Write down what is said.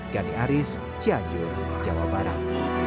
gani aris cianjur jawa barat